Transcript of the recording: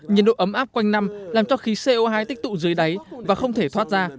nhiệt độ ấm áp quanh năm làm cho khí co hai tích tụ dưới đáy và không thể thoát ra